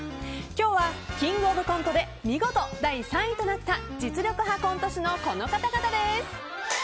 今日は「キングオブコント」で見事第３位になった実力派コント師のこの方々です。